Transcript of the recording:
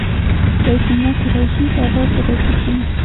زیتونه قریشي فرهاد سراج الدین